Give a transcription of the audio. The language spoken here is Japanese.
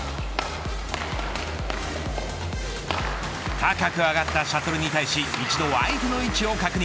高く上がったシャトルに対し一度相手の位置を確認。